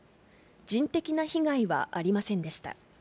人的な被害はありませんでした。